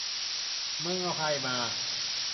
มึงเอาใครมา